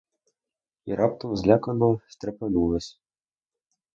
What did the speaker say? І раптом злякано стрепенулась.